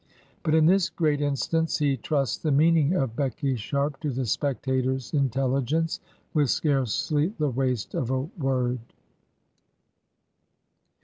But in this great instance, he trusts the meaning of Becky Sharp to the spectator's intelligence, with scarcely the waste of a word.